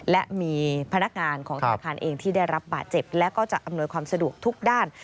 และมีพนักงานของธนาคารเองที่ได้รับบาดเจ็บและก็จะอำนวยความสะดวกทุกด้าน